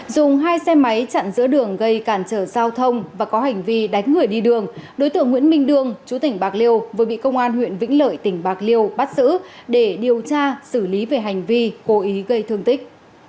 dùng hai xe máy chặn giữa đường gây cản trở giao thông và có hành vi đánh người đi đường đối tượng nguyễn minh đương chú tỉnh bạc liêu vừa bị công an huyện vĩnh lợi tỉnh bạc liêu bắt giữ để điều tra xử lý về hành vi cố ý gây thương tích